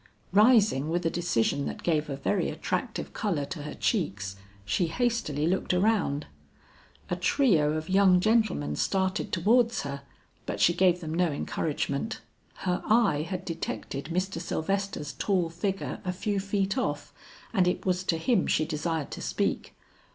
Rising with a decision that gave a very attractive color to her cheeks, she hastily looked around. A trio of young gentlemen started towards her but she gave them no encouragement; her eye had detected Mr. Sylvester's tall figure a few feet off and it was to him she desired to speak.